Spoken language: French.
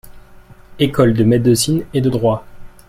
Écoles de Médecine et de Droit.